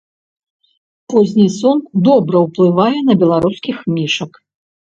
Позні сон добра ўплывае на беларускіх мішак.